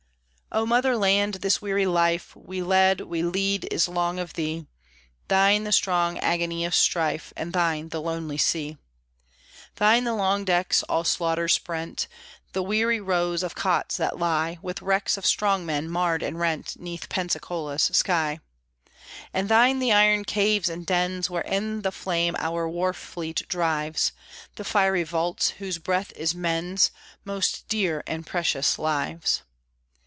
O Mother Land! this weary life We led, we lead, is 'long of thee; Thine the strong agony of strife, And thine the lonely sea. Thine the long decks all slaughter sprent, The weary rows of cots that lie With wrecks of strong men, marred and rent, 'Neath Pensacola's sky. And thine the iron caves and dens Wherein the flame our war fleet drives; The fiery vaults, whose breath is men's Most dear and precious lives!